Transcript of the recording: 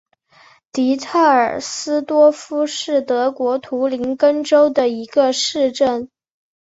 迪特尔斯多夫是德国图林根州的一个市镇。